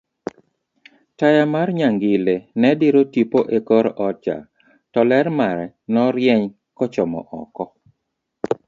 taya mar nyangile nediro tipo ekor odcha to ler mare norieny kochomo oko